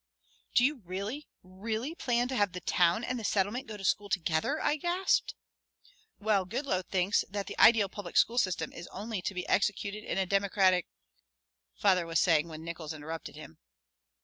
"Do you really really plan to have the Town and the Settlement go to school together?" I gasped. "Well, Goodloe thinks that the ideal public school system is only to be executed in a democratic " father was saying, when Nickols interrupted him.